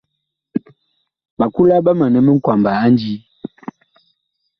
Ɓakula ɓa manɛ minkwaba a ndii.